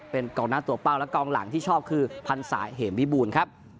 เป็นกองหน้าตัวเป้าและกองหลังที่ชอบคือพันศาเหมวิบูรณ์ครับ